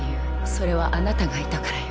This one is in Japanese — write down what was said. それはあなたがいたからよ。